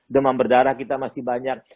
demam berdarah kita masih banyak